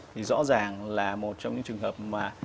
thì rõ ràng là một trong những trường hợp mà